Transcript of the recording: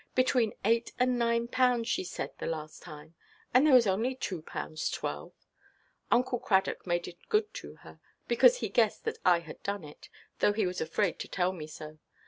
Between eight and nine pounds, she said the last time, and there was only two pounds twelve. Uncle Cradock made it good to her, because he guessed that I had done it, though he was afraid to tell me so.